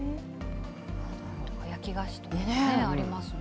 焼き菓子とかね、ありますね。